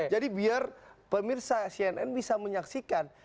jadi biar pemirsa cnn bisa menyaksikan